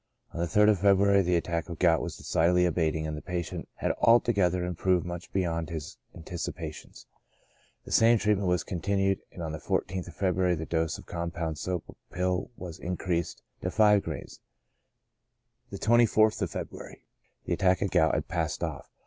On the 3rd of February the attack of gout was decidedly abating, and the patient had altogether improved much beyond his anticipations. The TREATMENT. 123 same treatment was continued, and on the 14th of Febru ary the dose of compound soap pill was increased to gr.v. The 24th of February, the attack of gout had passed ofF.